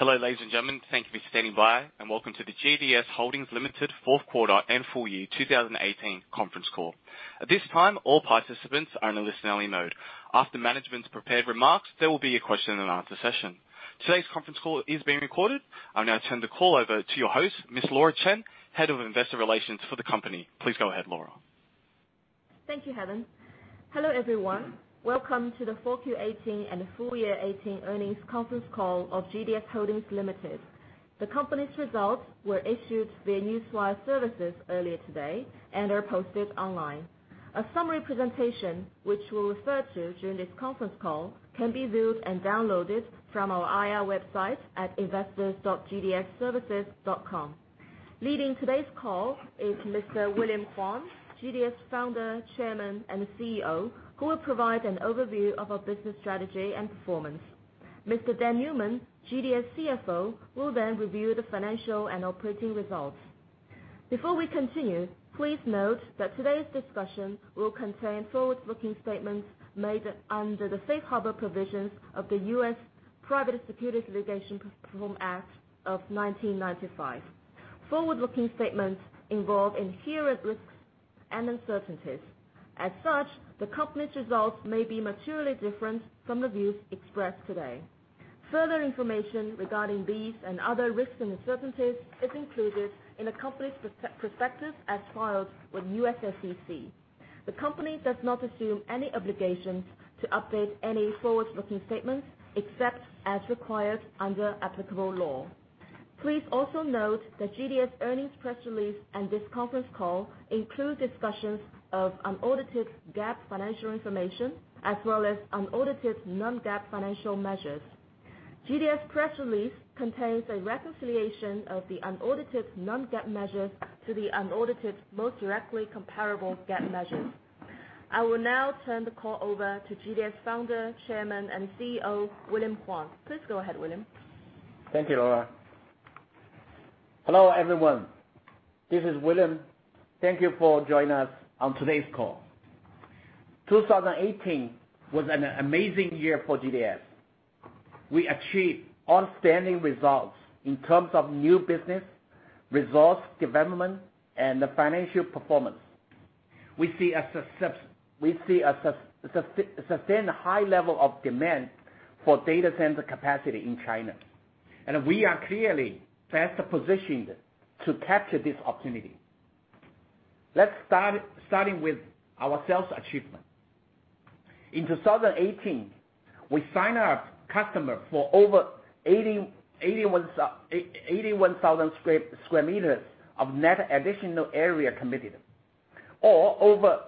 Hello, ladies and gentlemen. Thank you for standing by, and welcome to the GDS Holdings Limited fourth quarter and full year 2018 conference call. At this time, all participants are in a listen-only mode. After management's prepared remarks, there will be a question and answer session. Today's conference call is being recorded. I will now turn the call over to your host, Ms. Laura Chen, head of investor relations for the company. Please go ahead, Laura. Thank you, Helen. Hello, everyone. Welcome to the 4Q18 and the full year 2018 earnings conference call of GDS Holdings Limited. The company's results were issued via Newswire services earlier today and are posted online. A summary presentation, which we'll refer to during this conference call, can be viewed and downloaded from our IR website at investors.gdsservices.com. Leading today's call is Mr. William Huang, GDS founder, chairman, and CEO, who will provide an overview of our business strategy and performance. Mr. Dan Newman, GDS CFO, will then review the financial and operating results. Before we continue, please note that today's discussion will contain forward-looking statements made under the Safe Harbor provisions of the U.S. Private Securities Litigation Reform Act of 1995. Forward-looking statements involve inherent risks and uncertainties. As such, the company's results may be materially different from the views expressed today. Further information regarding these and other risks and uncertainties is included in the company's prospectus as filed with U.S. SEC. The company does not assume any obligations to update any forward-looking statements except as required under applicable law. Please also note that GDS earnings press release and this conference call include discussions of unaudited GAAP financial information, as well as unaudited non-GAAP financial measures. GDS press release contains a reconciliation of the unaudited non-GAAP measures to the unaudited most directly comparable GAAP measures. I will now turn the call over to GDS founder, chairman, and CEO, William Huang. Please go ahead, William. Thank you, Laura. Hello, everyone. This is William. Thank you for joining us on today's call. 2018 was an amazing year for GDS. We achieved outstanding results in terms of new business, resource development, and financial performance. We see a sustained high level of demand for data center capacity in China, and we are clearly best positioned to capture this opportunity. Let's start with our sales achievement. In 2018, we signed our customer for over 81,000 sq m of net additional area committed, or over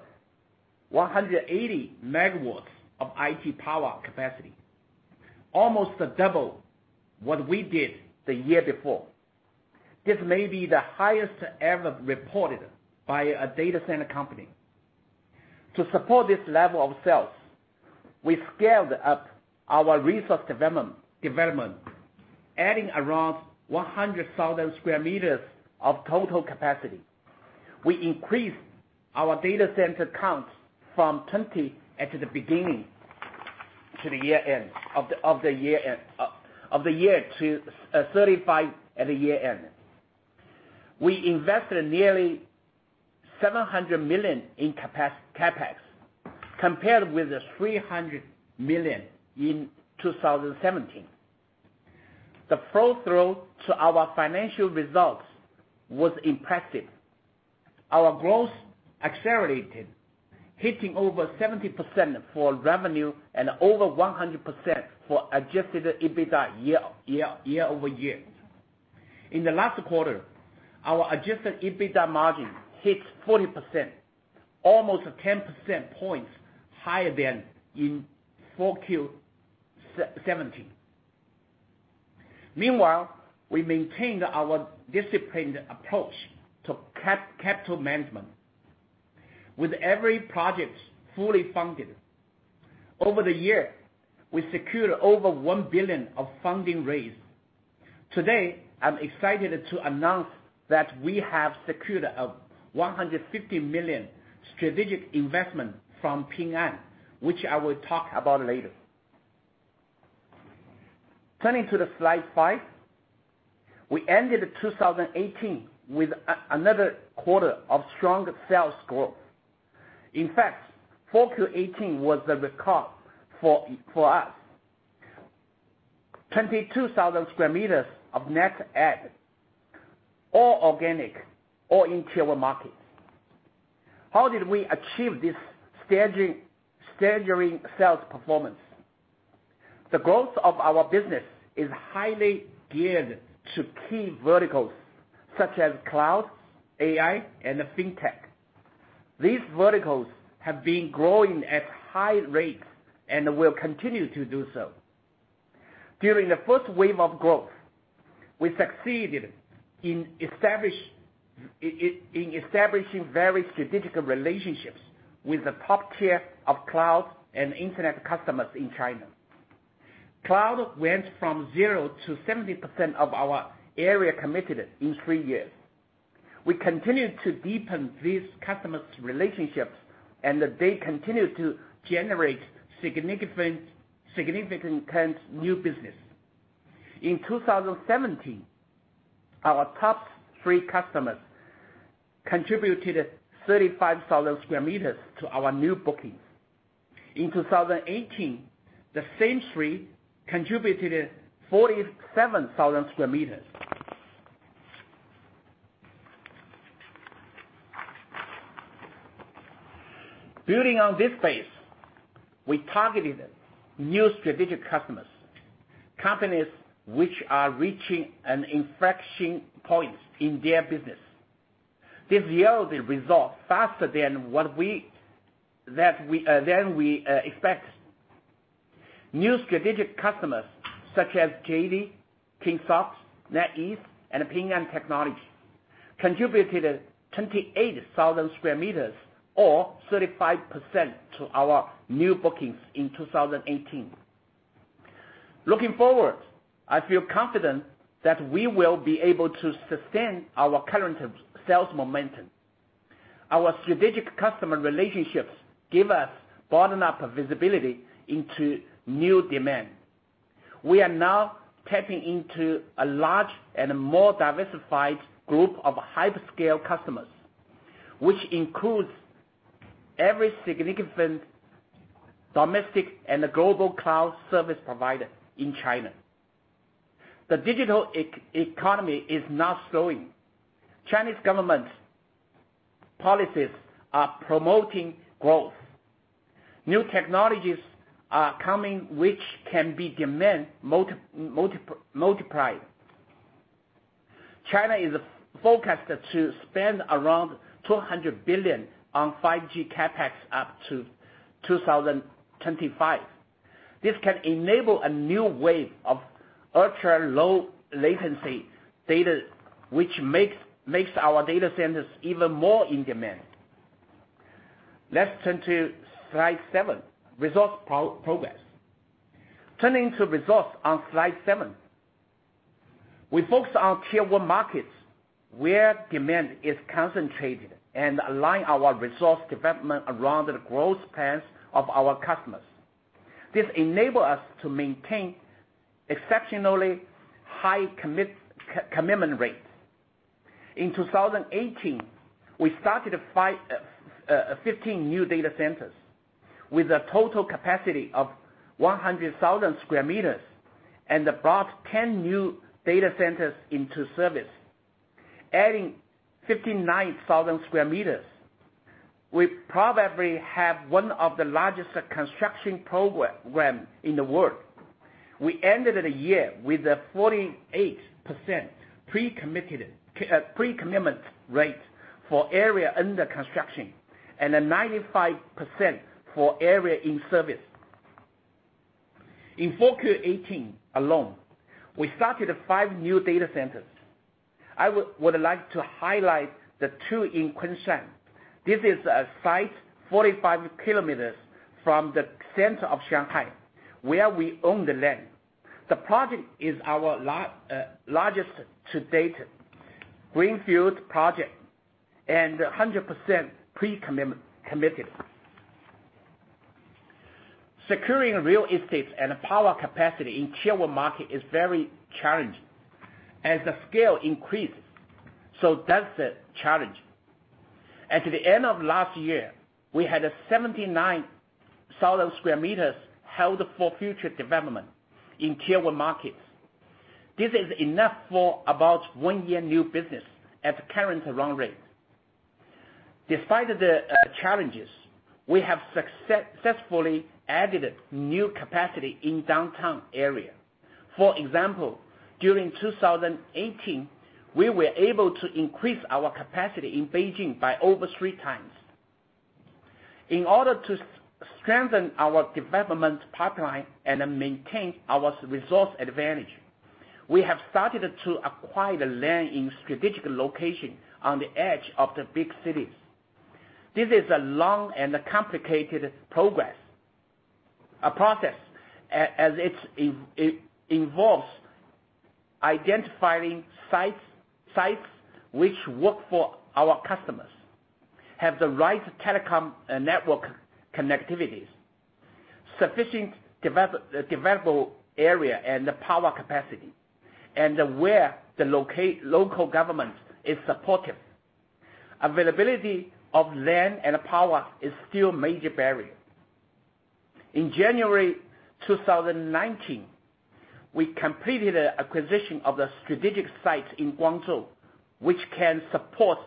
180 MW of IT power capacity. Almost double what we did the year before. This may be the highest ever reported by a data center company. To support this level of sales, we scaled up our resource development, adding around 100,000 sq m of total capacity. We increased our data center count from 20 at the beginning of the year to 35 at the year end. We invested nearly $700 million in CapEx, compared with the $300 million in 2017. The flow-through to our financial results was impressive. Our growth accelerated, hitting over 70% for revenue and over 100% for adjusted EBITDA year-over-year. In the last quarter, our adjusted EBITDA margin hit 40%, almost 10 percentage points higher than in 4Q17. Meanwhile, we maintained our disciplined approach to capital management. With every project fully funded, over the year, we secured over $1 billion of funding raised. Today, I'm excited to announce that we have secured a $150 million strategic investment from Ping An, which I will talk about later. Turning to slide five. We ended 2018 with another quarter of strong sales growth. In fact, 4Q18 was a record for us. 22,000 square meters of net add, all organic, all in tier 1 markets. How did we achieve this staggering sales performance? The growth of our business is highly geared to key verticals such as cloud, AI, and fintech. These verticals have been growing at high rates and will continue to do so. During the first wave of growth, we succeeded in establishing very strategic relationships with the top tier of cloud and internet customers in China. Cloud went from zero to 70% of our area committed in three years. We continue to deepen these customers' relationships. They continue to generate significant new business. In 2017, our top three customers contributed 35,000 square meters to our new bookings. In 2018, the same three contributed 47,000 square meters. Building on this base, we targeted new strategic customers, companies which are reaching an inflection point in their business. This yielded results faster than we expected. New strategic customers such as JD, Kingsoft, NetEase, and Ping An Technology contributed 28,000 square meters or 35% to our new bookings in 2018. Looking forward, I feel confident that we will be able to sustain our current sales momentum. Our strategic customer relationships give us bottom-up visibility into new demand. We are now tapping into a large and more diversified group of hyperscale customers, which includes every significant domestic and global cloud service provider in China. The digital economy is now growing. Chinese government policies are promoting growth. New technologies are coming, which can be demand multiplied. China is forecasted to spend around 200 billion on 5G CapEx up to 2025. This can enable a new wave of ultra-low latency data, which makes our data centers even more in demand. Let's turn to slide seven, resource progress. Turning to resource on slide seven. We focus on tier 1 markets where demand is concentrated and align our resource development around the growth plans of our customers. This enable us to maintain exceptionally high commitment rates. In 2018, we started 15 new data centers with a total capacity of 100,000 square meters and brought 10 new data centers into service, adding 59,000 square meters. We probably have one of the largest construction programs in the world. We ended the year with a 48% pre-commitment rate for area under construction, and a 95% for area in service. In 4Q18 alone, we started five new data centers. I would like to highlight the two in Kunshan. This is a site 45 km from the center of Shanghai, where we own the land. The project is our largest to-date greenfield project, and 100% pre-committed. Securing real estate and power capacity in tier 1 market is very challenging. As the scale increases, so does the challenge. At the end of last year, we had 79,000 sq m held for future development in tier 1 markets. This is enough for about one year new business at current run rate. Despite the challenges, we have successfully added new capacity in downtown area. For example, during 2018, we were able to increase our capacity in Beijing by over three times. In order to strengthen our development pipeline and maintain our resource advantage, we have started to acquire the land in strategic location on the edge of the big cities. This is a long and complicated process, as it involves identifying sites which work for our customers, have the right telecom network connectivities, sufficient developable area and power capacity, and where the local government is supportive. Availability of land and power is still a major barrier. In January 2019, we completed acquisition of a strategic site in Guangzhou, which can support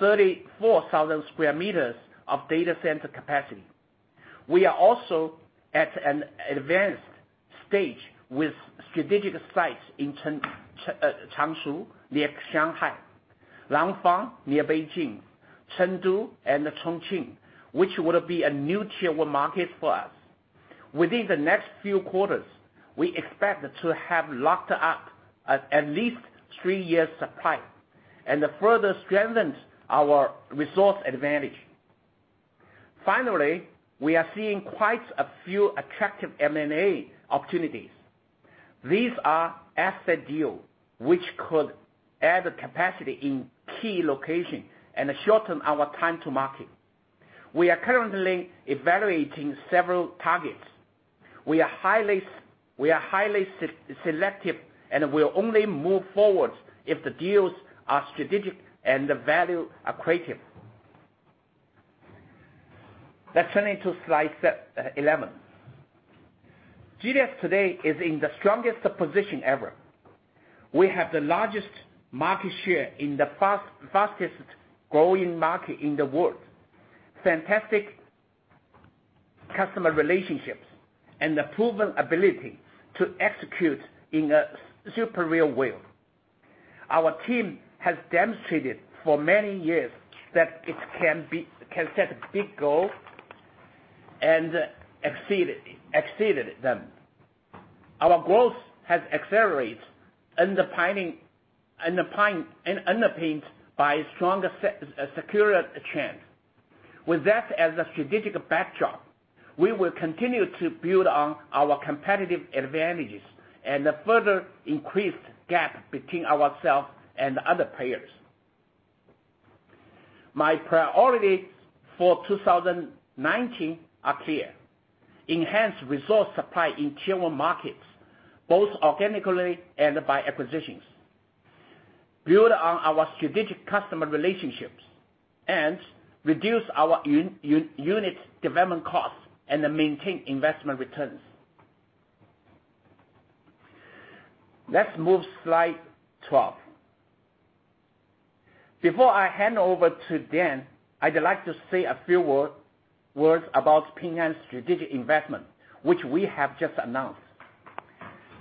34,000 sq m of data center capacity. We are also at an advanced stage with strategic sites in Changshu, near Shanghai, Langfang, near Beijing, Chengdu, and Chongqing, which would be a new tier 1 market for us. Within the next few quarters, we expect to have locked up at least three years' supply, and further strengthens our resource advantage. Finally, we are seeing quite a few attractive M&A opportunities. These are asset deals which could add capacity in key locations and shorten our time to market. We are currently evaluating several targets. We are highly selective, and we will only move forward if the deals are strategic and the value accretive. Let's turn it to slide 11. GDS today is in the strongest position ever. We have the largest market share in the fastest-growing market in the world, fantastic customer relationships, and the proven ability to execute in a super real way. Our team has demonstrated for many years that it can set a big goal and exceeded them. Our growth has accelerated and underpinned by a strong, secure trend. With that as a strategic backdrop, we will continue to build on our competitive advantages and further increase gap between ourselves and other players. My priorities for 2019 are clear. Enhance resource supply in Tier 1 markets, both organically and by acquisitions, build on our strategic customer relationships, and reduce our unit development costs and maintain investment returns. Let's move slide 12. Before I hand over to Dan, I'd like to say a few words about Ping An's strategic investment, which we have just announced.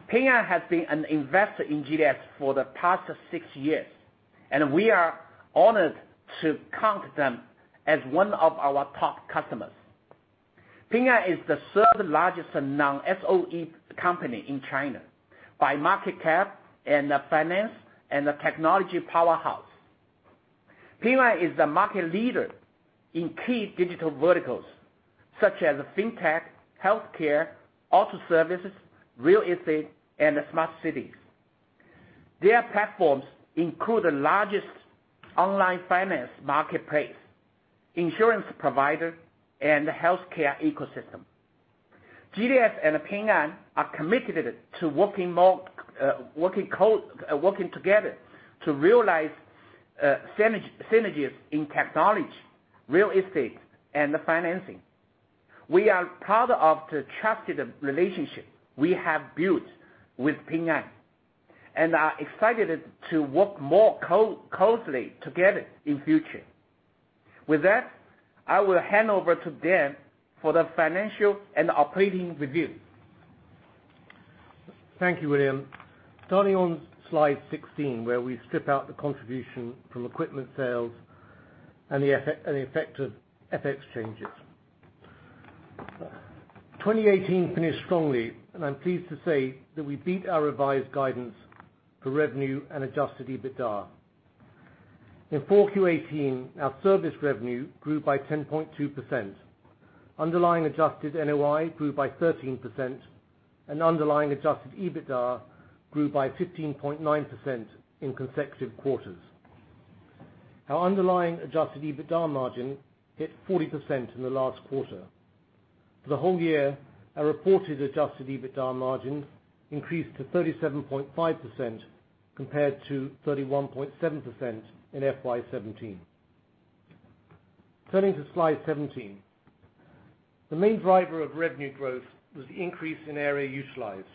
Ping An has been an investor in GDS for the past six years, and we are honored to count them as one of our top customers. Ping An is the third-largest non-SOE company in China by market cap and finance and technology powerhouse. Ping An is the market leader in key digital verticals such as fintech, healthcare, auto services, real estate, and smart cities. Their platforms include the largest online finance marketplace, insurance provider, and healthcare ecosystem. GDS and Ping An are committed to working together to realize synergies in technology, real estate, and financing. We are proud of the trusted relationship we have built with Ping An and are excited to work more closely together in future. With that, I will hand over to Dan for the financial and operating review. Thank you, William. Starting on slide 16, where we strip out the contribution from equipment sales and the effect of FX changes. 2018 finished strongly, and I'm pleased to say that we beat our revised guidance for revenue and adjusted EBITDA. In 4Q18, our service revenue grew by 10.2%. Underlying adjusted NOI grew by 13%, and underlying adjusted EBITDA grew by 15.9% in consecutive quarters. Our underlying adjusted EBITDA margin hit 40% in the last quarter. For the whole year, our reported adjusted EBITDA margin increased to 37.5% compared to 31.7% in FY 2017. Turning to slide 17. The main driver of revenue growth was the increase in area utilized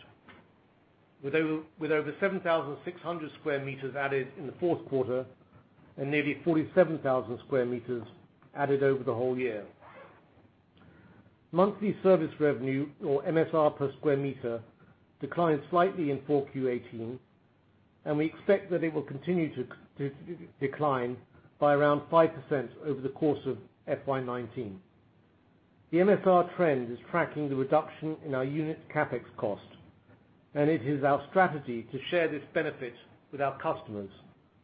with over 7,600 sq m added in the fourth quarter and nearly 47,000 sq m added over the whole year. Monthly service revenue or MSR per sq m declined slightly in 4Q18, and we expect that it will continue to decline by around 5% over the course of FY 2019. The MSR trend is tracking the reduction in our unit CapEx cost, and it is our strategy to share this benefit with our customers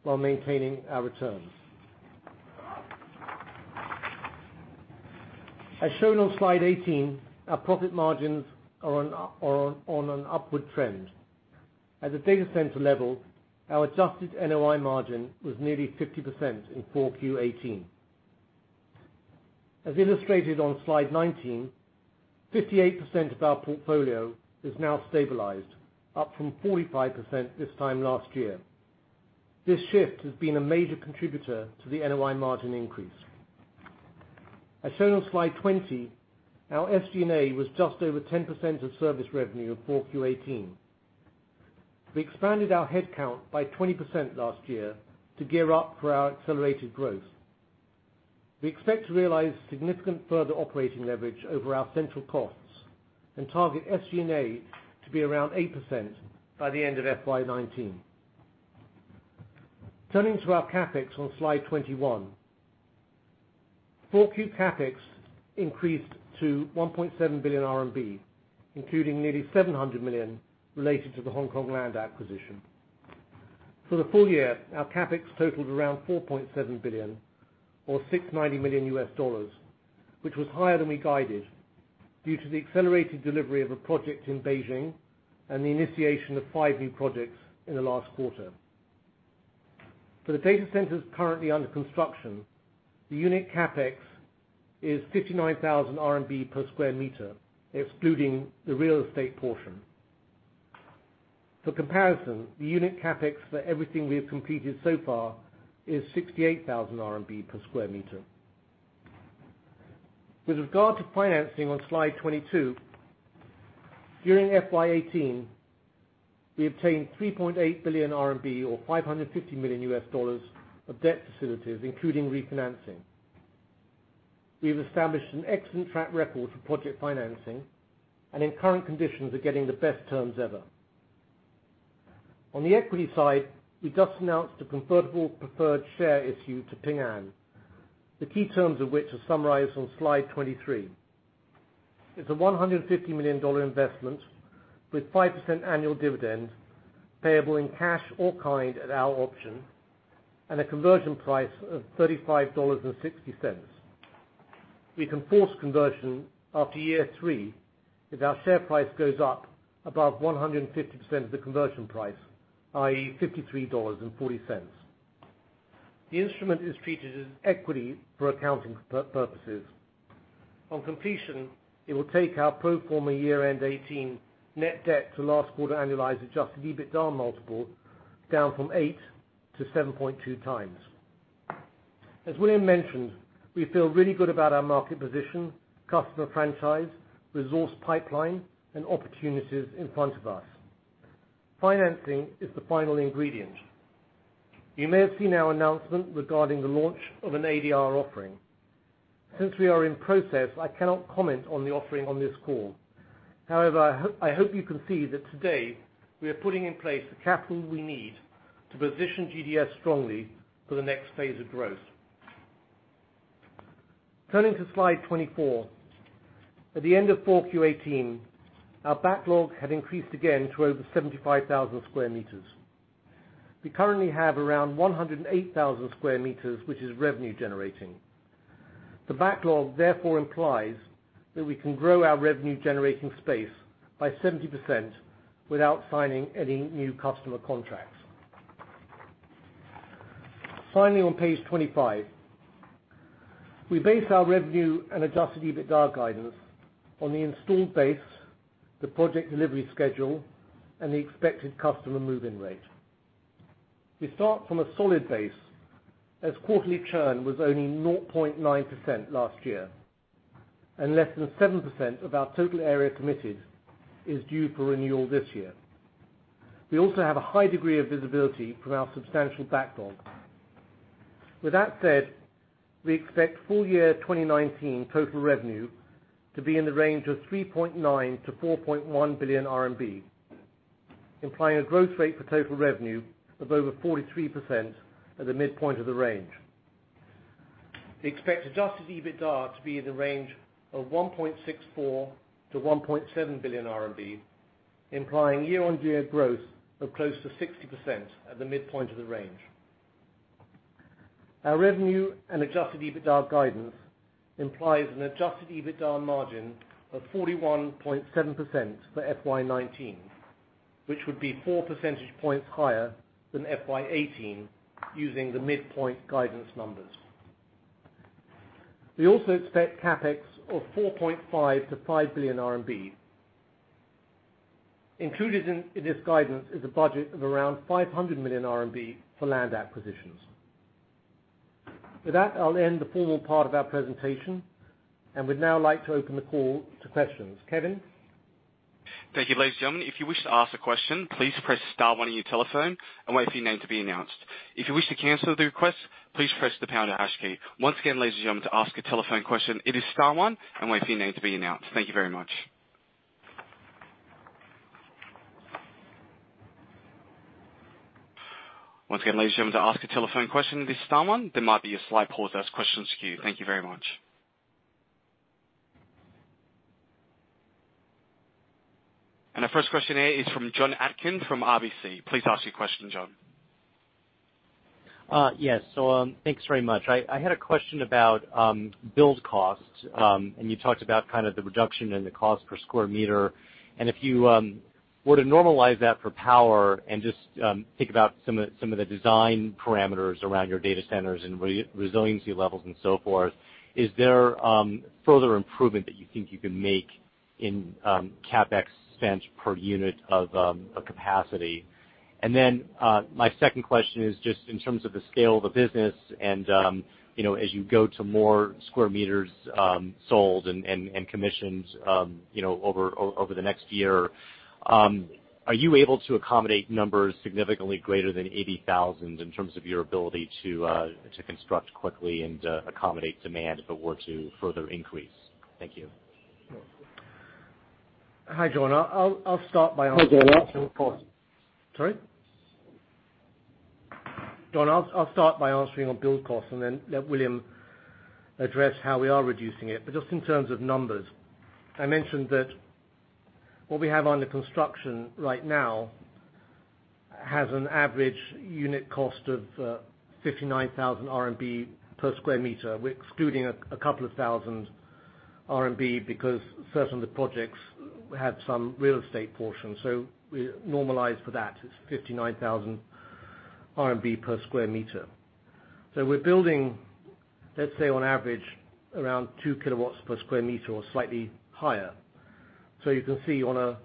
while maintaining our returns. As shown on slide 18, our profit margins are on an upward trend. At the data center level, our adjusted NOI margin was nearly 50% in 4Q18. As illustrated on slide 19, 58% of our portfolio is now stabilized, up from 45% this time last year. This shift has been a major contributor to the NOI margin increase. As shown on slide 20, our SG&A was just over 10% of service revenue in 4Q18. We expanded our headcount by 20% last year to gear up for our accelerated growth. We expect to realize significant further operating leverage over our central costs and target SG&A to be around 8% by the end of FY 2019. Turning to our CapEx on slide 21. 4Q CapEx increased to 1.7 billion RMB, including nearly 700 million related to the Hong Kong land acquisition. For the full year, our CapEx totaled around 4.7 billion or $690 million, which was higher than we guided due to the accelerated delivery of a project in Beijing and the initiation of five new projects in the last quarter. For the data centers currently under construction, the unit CapEx is 59,000 RMB per sq m, excluding the real estate portion. For comparison, the unit CapEx for everything we have completed so far is 68,000 RMB per sq m. With regard to financing on slide 22, during FY 2018, we obtained 3.8 billion RMB, or $550 million of debt facilities, including refinancing. We have established an excellent track record for project financing and in current conditions are getting the best terms ever. On the equity side, we just announced a convertible preferred share issue to Ping An. The key terms of which are summarized on slide 23. It's a $150 million investment with 5% annual dividend payable in cash or kind at our option, and a conversion price of $35.60. We can force conversion after year three if our share price goes up above 150% of the conversion price, i.e., $53.40. The instrument is treated as equity for accounting purposes. On completion, it will take our pro forma year-end 2018 net debt to last quarter annualized adjusted EBITDA multiple down from 8 to 7.2 times. As William mentioned, we feel really good about our market position, customer franchise, resource pipeline, and opportunities in front of us. Financing is the final ingredient. You may have seen our announcement regarding the launch of an ADR offering. Since we are in process, I cannot comment on the offering on this call. However, I hope you can see that today we are putting in place the capital we need to position GDS strongly for the next phase of growth. Turning to slide 24. At the end of 4Q 2018, our backlog had increased again to over 75,000 sq m. We currently have around 108,000 sq m, which is revenue generating. The backlog therefore implies that we can grow our revenue-generating space by 70% without signing any new customer contracts. Finally, on page 25. We base our revenue and adjusted EBITDA guidance on the installed base, the project delivery schedule, and the expected customer move-in rate. We start from a solid base, as quarterly churn was only 0.9% last year, and less than 7% of our total area committed is due for renewal this year. We also have a high degree of visibility from our substantial backlog. With that said, we expect full year 2019 total revenue to be in the range of 3.9 billion-4.1 billion RMB, implying a growth rate for total revenue of over 43% at the midpoint of the range. We expect adjusted EBITDA to be in the range of 1.64 billion-1.7 billion RMB, implying year-on-year growth of close to 60% at the midpoint of the range. Our revenue and adjusted EBITDA guidance implies an adjusted EBITDA margin of 41.7% for FY 2019, which would be four percentage points higher than FY 2018 using the midpoint guidance numbers. We also expect CapEx of 4.5 billion-5 billion RMB. Included in this guidance is a budget of around 500 million RMB for land acquisitions. With that, I'll end the formal part of our presentation and would now like to open the call to questions. Kevin? Thank you, ladies and gentlemen. If you wish to ask a question, please press star one on your telephone and wait for your name to be announced. If you wish to cancel the request, please press the pound or hash key. Once again, ladies and gentlemen, to ask a telephone question, it is star one and wait for your name to be announced. Thank you very much. Once again, ladies and gentlemen, to ask a telephone question, it is star one. There might be a slight pause as questions queue. Thank you very much. Our first question is from Jon Atkin from RBC. Please ask your question, Jon. Yes. Thanks very much. I had a question about build costs. You talked about kind of the reduction in the cost per square meter. If you were to normalize that for power and just think about some of the design parameters around your data centers and resiliency levels and so forth, is there further improvement that you think you can make in CapEx spends per unit of capacity? My second question is just in terms of the scale of the business and as you go to more square meters sold and commissions over the next year, are you able to accommodate numbers significantly greater than 80,000 in terms of your ability to construct quickly and accommodate demand if it were to further increase? Thank you. Hi, Jon. I'll start by answering. Hi, Jon. Sorry, Jon, I'll start by answering on build costs and then let William address how we are reducing it. Just in terms of numbers, I mentioned that what we have under construction right now has an average unit cost of 59,000 RMB per square meter. We're excluding a couple of thousand RMB because certain of the projects have some real estate portion. We normalize for that. It's 59,000 RMB per square meter. We're building, let's say, on average, around two kilowatts per square meter or slightly higher. You can see on a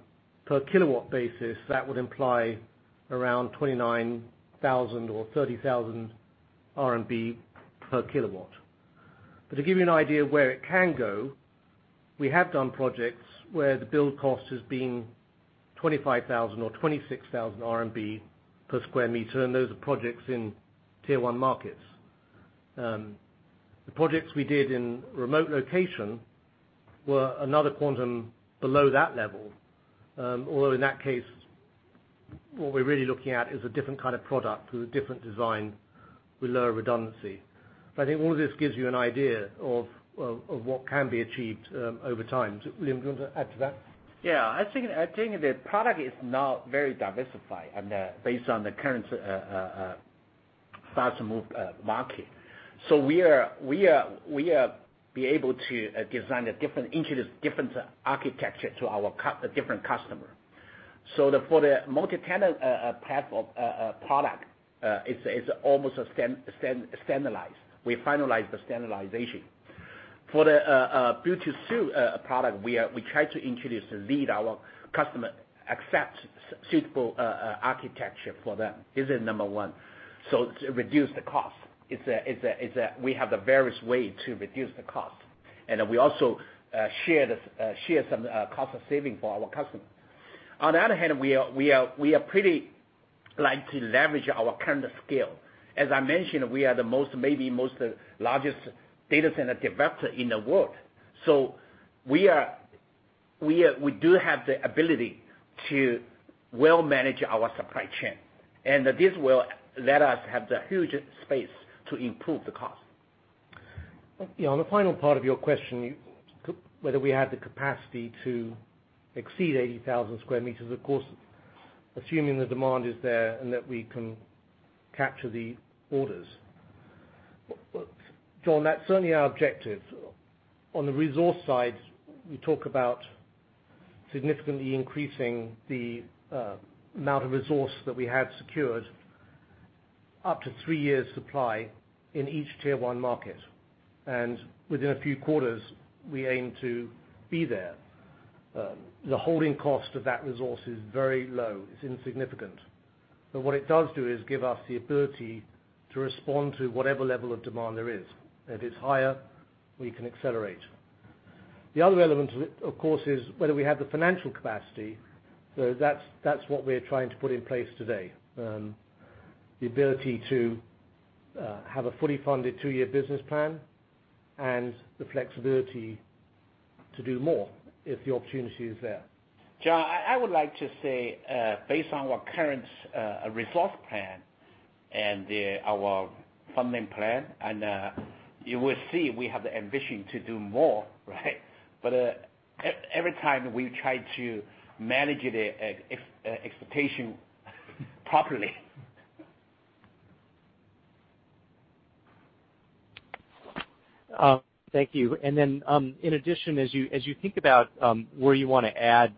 per kilowatt basis, that would imply around 29,000 or 30,000 RMB per kilowatt. To give you an idea of where it can go, we have done projects where the build cost has been 25,000 or 26,000 RMB per square meter, and those are projects in tier 1 markets. The projects we did in remote location were another quantum below that level. Although in that case, what we're really looking at is a different kind of product with a different design with lower redundancy. I think all of this gives you an idea of what can be achieved over time. William, do you want to add to that? Yeah. I think the product is now very diversified based on the current fast move market. We are able to introduce different architecture to our different customer. For the multi-tenant type of product, it's almost standardized. We finalized the standardization. For the build-to-suit product, we try to introduce and lead our customer, accept suitable architecture for them. This is number 1. To reduce the cost. We have the various way to reduce the cost. We also share some cost saving for our customer. On the other hand, we are pretty likely leverage our current scale. As I mentioned, we are maybe most largest data center developer in the world. We do have the ability to well manage our supply chain, and this will let us have the huge space to improve the cost. Yeah. On the final part of your question, whether we have the capacity to exceed 80,000 square meters, of course, assuming the demand is there and that we can capture the orders. Jon, that's certainly our objective. On the resource side, we talk about significantly increasing the amount of resource that we have secured up to three years supply in each tier 1 market. Within a few quarters, we aim to be there. The holding cost of that resource is very low. It's insignificant. What it does do is give us the ability to respond to whatever level of demand there is. If it's higher, we can accelerate. The other element, of course, is whether we have the financial capacity. That's what we're trying to put in place today. The ability to have a fully funded two-year business plan and the flexibility to do more if the opportunity is there. Jon, I would like to say, based on our current resource plan and our funding plan, you will see we have the ambition to do more, right? Every time we try to manage the expectation properly. Thank you. Then, in addition, as you think about where you want to add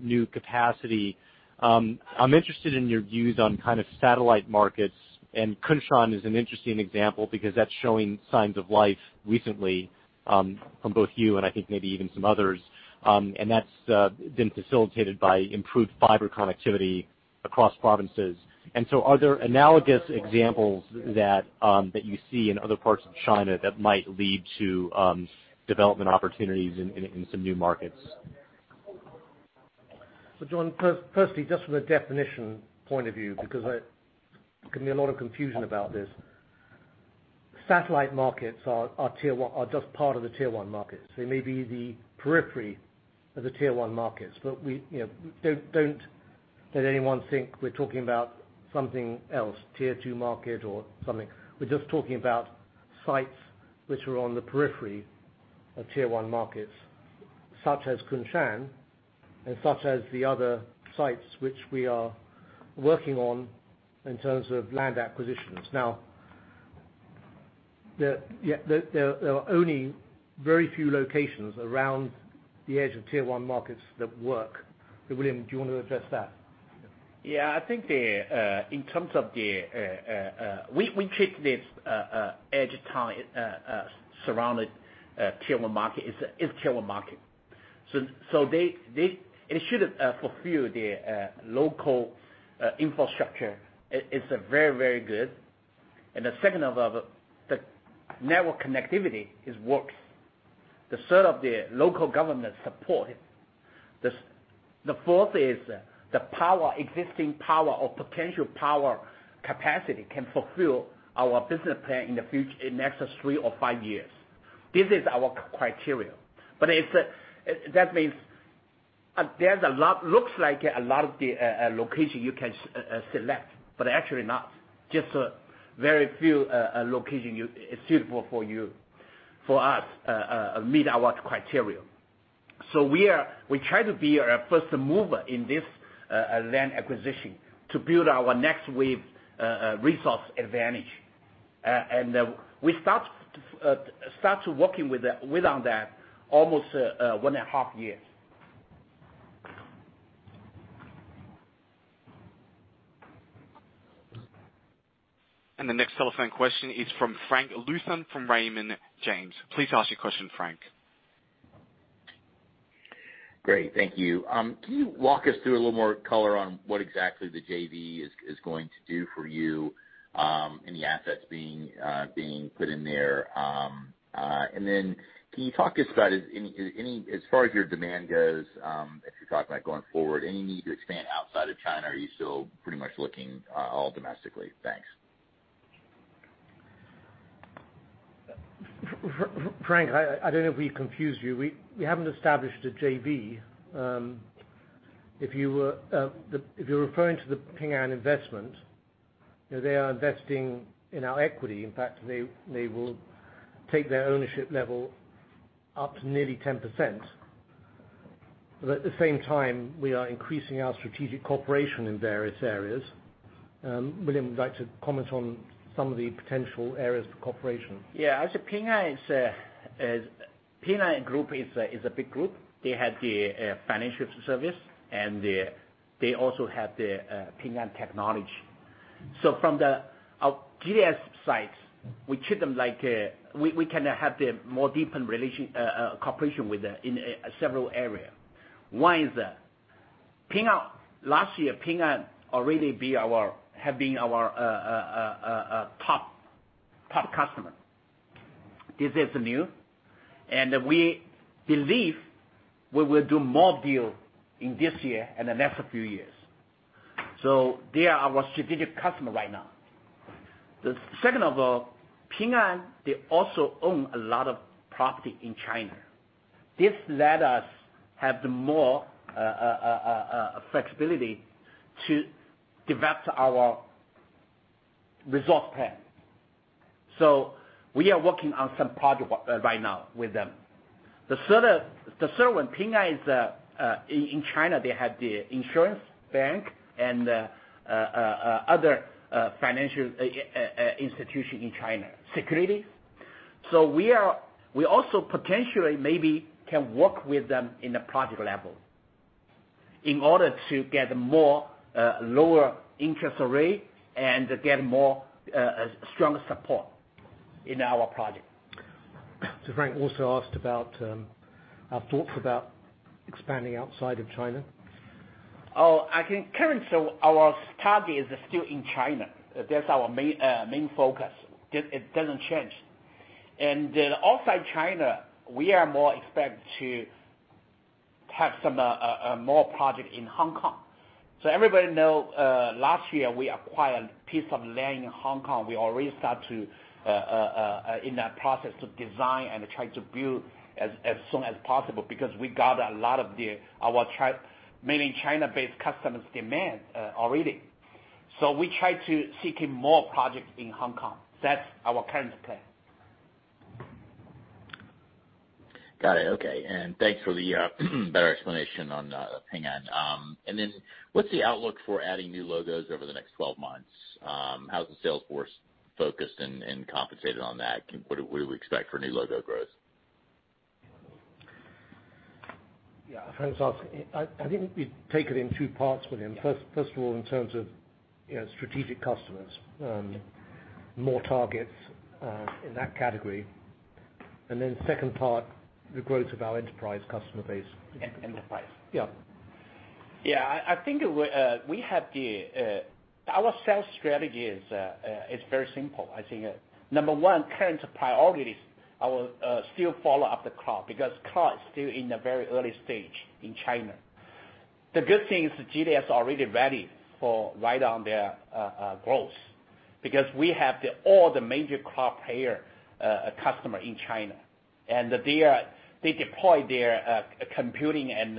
new capacity, I'm interested in your views on satellite markets, Kunshan is an interesting example because that's showing signs of life recently, from both you and I think maybe even some others. That's been facilitated by improved fiber connectivity across provinces. So are there analogous examples that you see in other parts of China that might lead to development opportunities in some new markets? Jon, firstly, just from a definition point of view, because there can be a lot of confusion about this. Satellite markets are just part of the tier 1 markets. They may be the periphery of the tier 1 markets, don't let anyone think we're talking about something else, tier 2 market or something. We're just talking about sites which are on the periphery of tier 1 markets, such as Kunshan and such as the other sites which we are working on in terms of land acquisitions. There are only very few locations around the edge of tier 1 markets that work. William, do you want to address that? Yeah. I think in terms of We treat this edge town surrounded tier 1 market. It's tier 1 market. It should fulfill the local infrastructure. It's very good. The second, the network connectivity, it works. The third, the local government support. The fourth is the existing power or potential power capacity can fulfill our business plan in next three or five years. This is our criteria. That means there looks like a lot of the location you can select, but actually not. Just very few location is suitable for us, meet our criteria. We try to be a first mover in this land acquisition to build our next wave resource advantage. We start working with on that almost one and a half years. The next telephone question is from Frank Louthan from Raymond James. Please ask your question, Frank. Great. Thank you. Can you walk us through a little more color on what exactly the JV is going to do for you, any assets being put in there? Can you talk us about as far as your demand goes, if you talk about going forward, any need to expand outside of China, or are you still pretty much looking all domestically? Thanks. Frank, I don't know if we confused you. We haven't established a JV. If you were referring to the Ping An investment, they are investing in our equity. In fact, they will take their ownership level up to nearly 10%. At the same time, we are increasing our strategic cooperation in various areas. William, would you like to comment on some of the potential areas for cooperation? I would say Ping An Group is a big group. They have the financial service and they also have the Ping An Technology. From the GDS side, we treat them like we can have more deepened cooperation with them in several areas. One, last year, Ping An already has been our top customer. This is new. We believe we will do more deals this year and the next few years. They are our strategic customer right now. Second of all, Ping An also owns a lot of property in China. This lets us have more flexibility to develop our resource plan. We are working on some projects right now with them. Third, Ping An has the insurance bank and other financial institutions in China, security. We also potentially can work with them at a project level in order to get lower interest rates and get stronger support in our project. Frank also asked about our thoughts about expanding outside of China. I think currently, our target is still in China. That is our main focus. It does not change. Outside China, we expect to have more projects in Hong Kong. Everybody knows, last year we acquired a piece of land in Hong Kong. We already started that process to design and try to build as soon as possible because we got a lot of our mainly China-based customers' demand already. We are trying to seek more projects in Hong Kong. That is our current plan. Got it, okay. Thanks for the better explanation on Ping An. What's the outlook for adding new logos over the next 12 months? How's the sales force focused and compensated on that? What do we expect for new logo growth? I think we take it in two parts, William. First of all, in terms of strategic customers, more targets in that category. Second part, the growth of our enterprise customer base. Enterprise. Yeah. I think our sales strategy is very simple. I think number one, current priorities are still follow up the cloud, because cloud is still in a very early stage in China. The good thing is GDS already ready for ride on their growth because we have all the major cloud player, customer in China. They deploy their computing and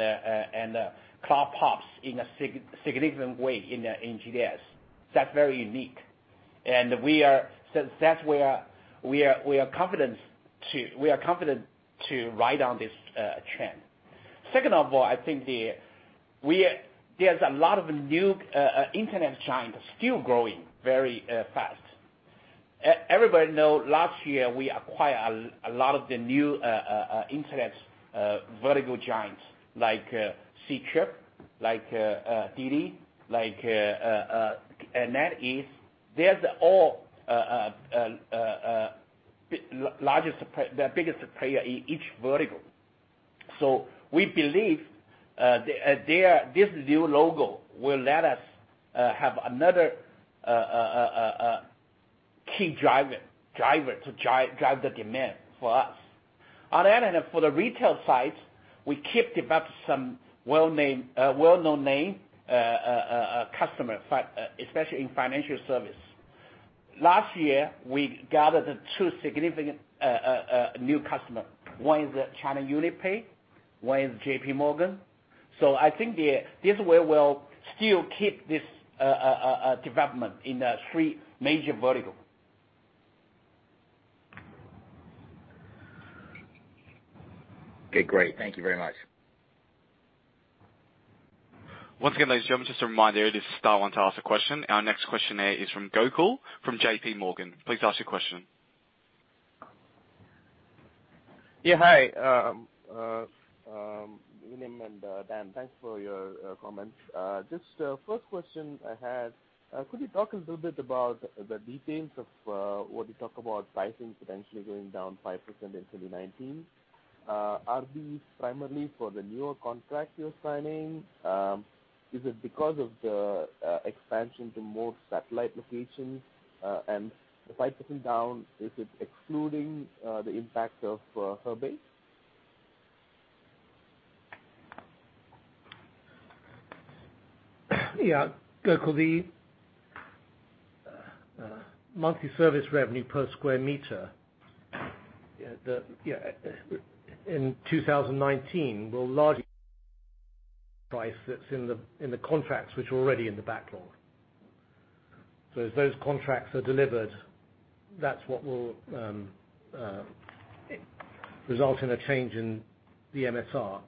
cloud pops in a significant way in GDS. That's very unique. We are confident to ride on this trend. Second of all, I think there's a lot of new Internet giants still growing very fast. Everybody know last year we acquire a lot of the new Internet vertical giants like Ctrip, like DiDi, like NetEase. They're the biggest player in each vertical. We believe this new logo will let us have another key driver to drive the demand for us. On the other hand, for the retail side, we keep developing some well-known name customer, especially in financial service. Last year, we gathered two significant new customer. One is China UnionPay, one is JPMorgan. I think this way we'll still keep this development in the three major vertical. Okay, great. Thank you very much. Once again, ladies and gentlemen, just a reminder, to star one to ask a question. Our next questionnaire is from Gokul from JPMorgan. Please ask your question. Hi, William and Dan. Thanks for your comments. Just first question I had, could you talk a little bit about the details of what you talk about pricing potentially going down 5% in 2019? Are these primarily for the newer contract you're signing? Is it because of the expansion to more satellite locations? The 5% down, is it excluding the impact of Hebei? Gokul, the monthly service revenue per square meter in 2019 will largely price what's in the contracts which are already in the backlog. As those contracts are delivered, that's what will result in a change in the MSR.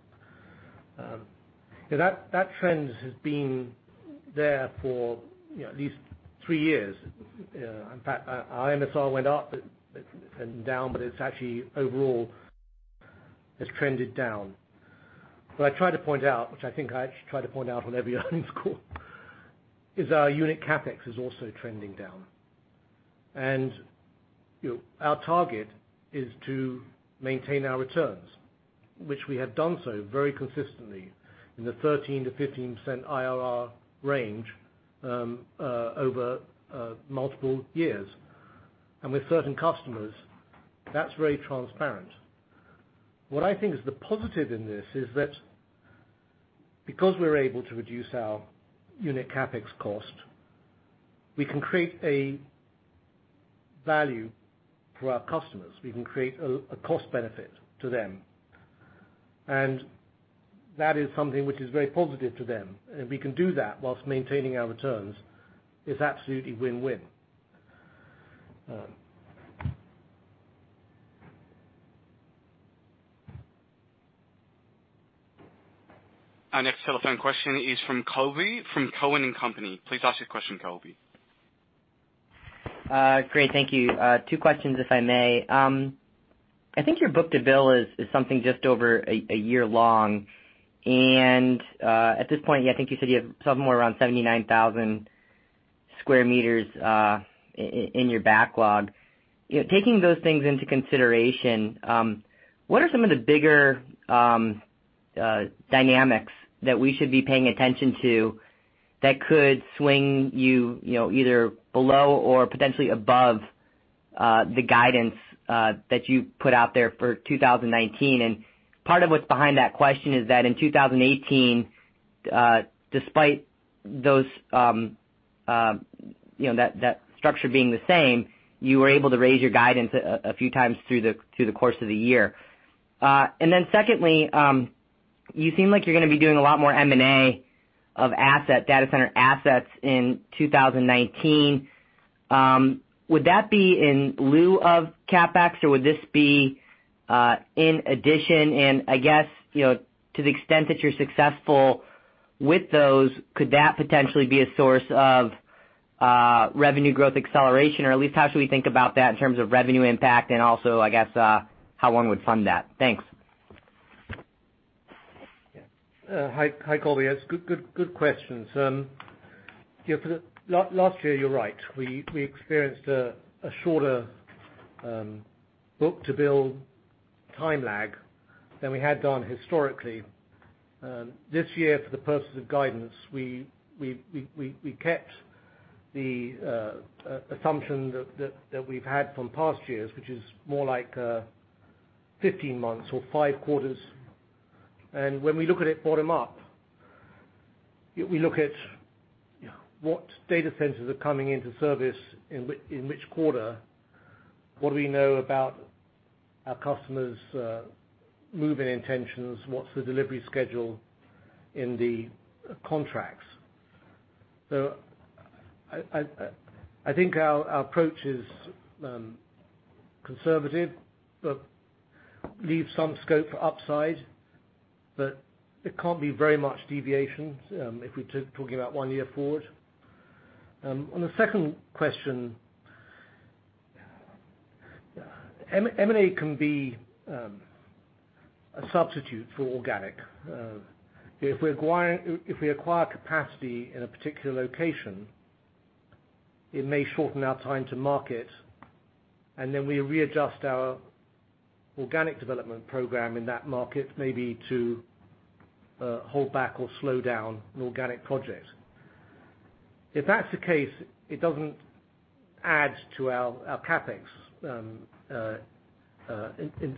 That trend has been there for at least three years. In fact, our MSR went up and down, but it's actually overall has trended down. What I tried to point out, which I think I actually try to point out on every earnings call is our unit CapEx is also trending down. Our target is to maintain our returns, which we have done so very consistently in the 13%-15% IRR range over multiple years. With certain customers, that's very transparent. What I think is the positive in this is that because we're able to reduce our unit CapEx cost, we can create a value for our customers. We can create a cost benefit to them. That is something which is very positive to them. If we can do that whilst maintaining our returns, it's absolutely win-win. Our next telephone question is from Colby from Cowen and Company. Please ask your question, Colby. Great. Thank you. Two questions, if I may. I think your book-to-bill is something just over a year long, and at this point, I think you said you have somewhere around 79,000 sq m in your backlog. Taking those things into consideration, what are some of the bigger dynamics that we should be paying attention to that could swing you either below or potentially above the guidance that you put out there for 2019? Part of what's behind that question is that in 2018, despite that structure being the same, you were able to raise your guidance a few times through the course of the year. Secondly, you seem like you're going to be doing a lot more M&A of data center assets in 2019. Would that be in lieu of CapEx, or would this be in addition? I guess, to the extent that you're successful with those, could that potentially be a source of revenue growth acceleration? At least how should we think about that in terms of revenue impact and also, I guess how one would fund that? Thanks. Hi, Colby. That's good questions. Last year, you're right. We experienced a shorter book-to-bill time lag than we had done historically. This year, for the purposes of guidance, we kept the assumption that we've had from past years, which is more like 15 months or five quarters. When we look at it bottom up, we look at what data centers are coming into service in which quarter, what do we know about our customers' moving intentions, what's the delivery schedule in the contracts? I think our approach is conservative, but leaves some scope for upside. There can't be very much deviation, if we're talking about one year forward. On the second question, M&A can be a substitute for organic. If we acquire capacity in a particular location, it may shorten our time to market, and then we readjust our organic development program in that market, maybe to hold back or slow down an organic project. If that's the case, it doesn't add to our CapEx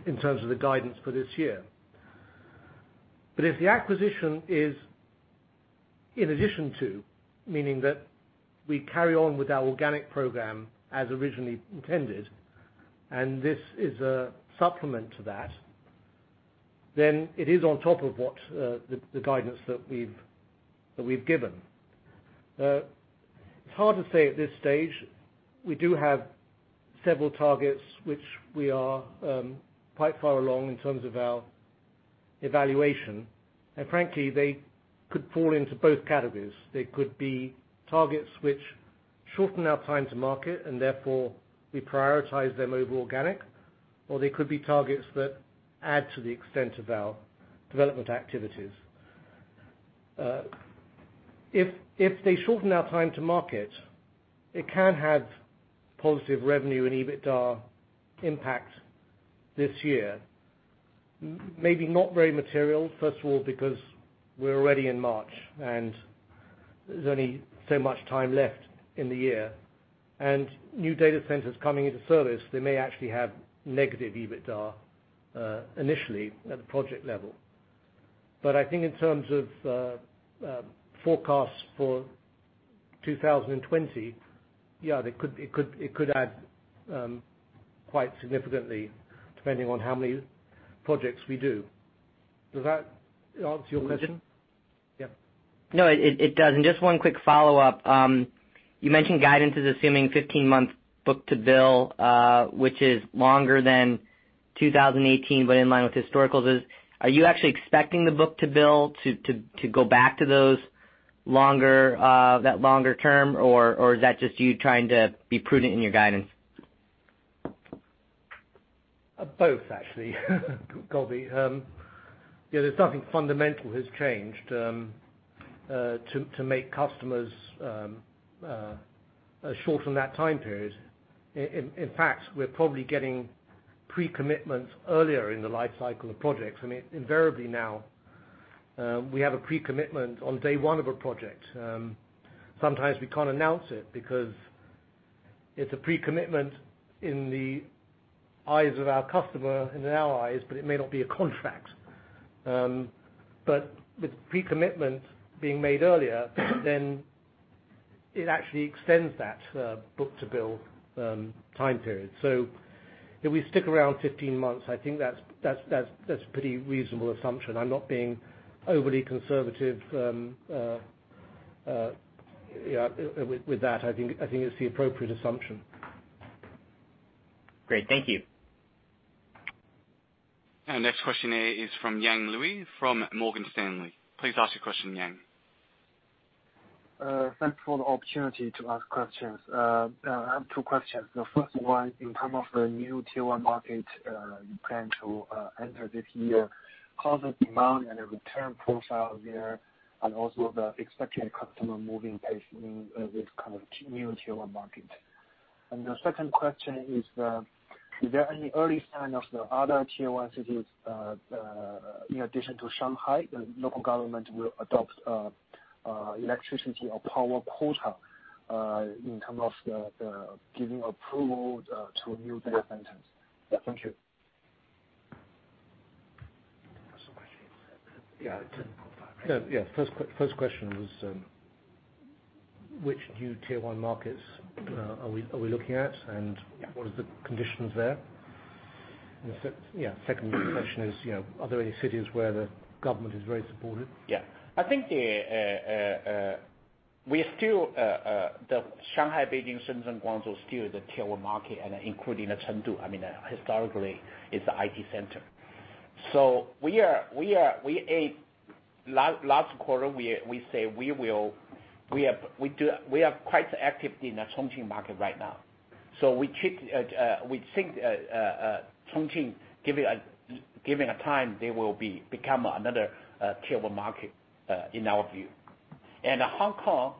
in terms of the guidance for this year. If the acquisition is in addition to, meaning that we carry on with our organic program as originally intended, and this is a supplement to that. It is on top of the guidance that we've given. It's hard to say at this stage. We do have several targets which we are quite far along in terms of our evaluation. Frankly, they could fall into both categories. They could be targets which shorten our time to market, and therefore, we prioritize them over organic. They could be targets that add to the extent of our development activities. If they shorten our time to market, it can have positive revenue and EBITDA impact this year. Maybe not very material. First of all, because we're already in March, and there's only so much time left in the year. New data centers coming into service, they may actually have negative EBITDA initially at the project level. I think in terms of forecasts for 2020, yeah, it could add quite significantly, depending on how many projects we do. Does that answer your question? Yeah. No, it does. Just one quick follow-up. You mentioned guidance is assuming 15 months book-to-bill, which is longer than 2018, but in line with historical. Are you actually expecting the book-to-bill to go back to that longer term, or is that just you trying to be prudent in your guidance? Both, actually, Colby. Yeah, there's nothing fundamental has changed to make customers shorten that time period. In fact, we're probably getting pre-commitments earlier in the life cycle of projects. Invariably, now, we have a pre-commitment on day one of a project. Sometimes we can't announce it because it's a pre-commitment in the eyes of our customer, and in our eyes, but it may not be a contract. With pre-commitment being made earlier, it actually extends that book-to-bill time period. Yeah, we stick around 15 months. I think that's a pretty reasonable assumption. I'm not being overly conservative with that. I think it's the appropriate assumption. Great. Thank you. Our next question is from Yang Liu from Morgan Stanley. Please ask your question, Yang. Thanks for the opportunity to ask questions. I have two questions. The first one, in terms of the new Tier 1 market you plan to enter this year, how does demand and the return profile there, and also the expecting customer moving pace in this kind of new Tier 1 market? The second question is there any early sign of the other Tier 1 cities, in addition to Shanghai, the local government will adopt electricity or power quota in terms of the giving approval to new data centers? Thank you. What was the question? Yeah. Yeah. First question was, which new Tier 1 markets are we looking at? Yeah. What is the conditions there? Yeah. The second question is, are there any cities where the government is very supportive? Yeah. I think the Shanghai, Beijing, Shenzhen, Guangzhou, still the Tier 1 market and including Chengdu, historically is the IT center. Last quarter, we say we are quite active in the Chongqing market right now. We think Chongqing, given a time, they will become another Tier 1 market in our view. Hong Kong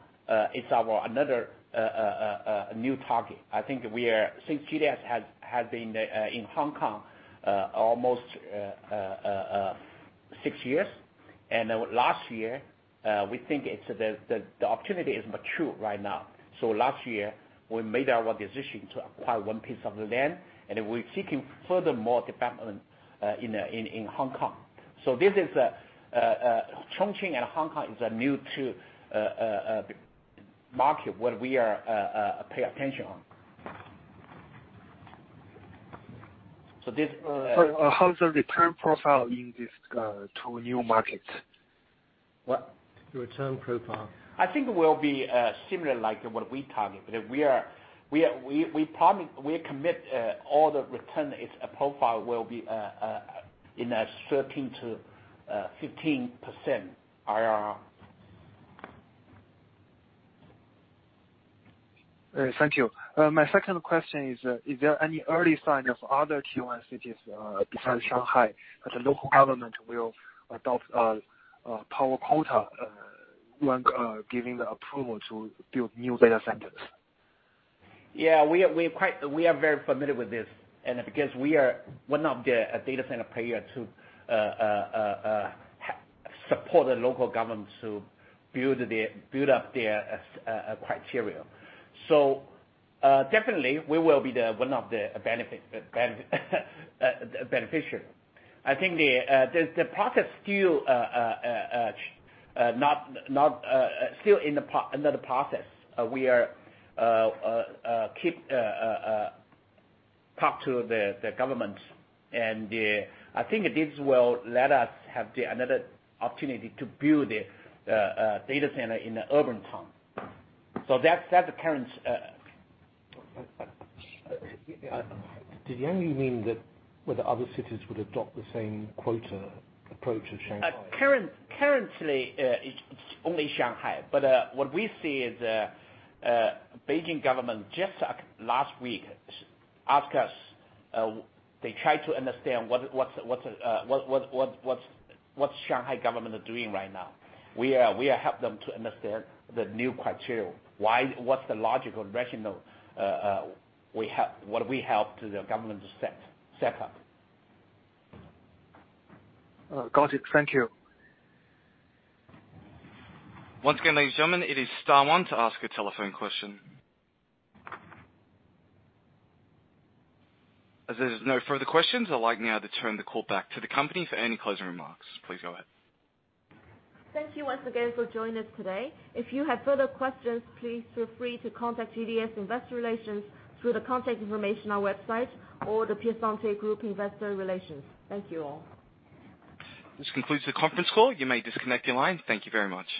is our another new target. I think since GDS has been in Hong Kong almost six years, and last year, we think the opportunity is mature right now. Last year, we made our decision to acquire one piece of the land, and we're seeking furthermore development in Hong Kong. Chongqing and Hong Kong is a new two market what we pay attention on. How is the return profile in these two new markets? What? The return profile. I think will be similar like what we target. We commit all the return profile will be in a 13%-15% IRR. Thank you. My second question is there any early sign of other Tier 1 cities besides Shanghai that the local government will adopt power quota when giving the approval to build new data centers? Yeah, we are very familiar with this, and because we are one of the data center player to support the local government to build up their criteria. Definitely, we will be one of the beneficiary. I think the process still another process. We keep talk to the government, and I think this will let us have another opportunity to build a data center in the urban town. That's the current Did Yang mean that whether other cities would adopt the same quota approach as Shanghai? Currently, it's only Shanghai, but what we see is Beijing government just last week asked us, they try to understand what Shanghai government are doing right now. We help them to understand the new criteria. What's the logical rationale what we help the government to set up. Got it. Thank you. Once again, ladies and gentlemen, it is star one to ask a telephone question. There's no further questions, I'd like now to turn the call back to the company for any closing remarks. Please go ahead. Thank you once again for joining us today. If you have further questions, please feel free to contact GDS Investor Relations through the contact information on our website or The Piacente Group Investor Relations. Thank you all. This concludes the conference call. You may disconnect your line. Thank you very much.